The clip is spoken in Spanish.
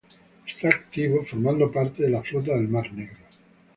Está activo formando parte de la Flota del Mar Negro.